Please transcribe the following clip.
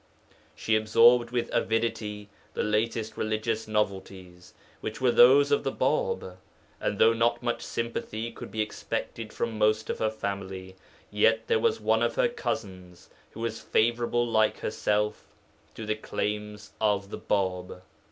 She absorbed with avidity the latest religious novelties, which were those of the Bāb, and though not much sympathy could be expected from most of her family, yet there was one of her cousins who was favourable like herself to the claims of the Bāb.